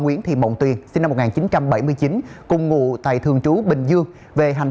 nguyễn thị mộng tuyền sinh năm một nghìn chín trăm bảy mươi chín cùng ngụ tại thường trú bình dương